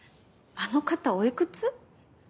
あの方おいくつ？